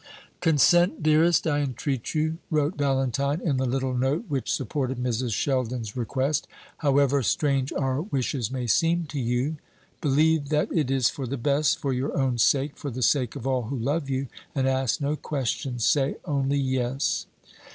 "Consent, dearest, I entreat you," wrote Valentine, in the little note which supported Mrs. Sheldon's request, "however strange our wishes may seem to you. Believe that it is for the best, for your own sake, for the sake of all who love you, and ask no questions. Say only yes."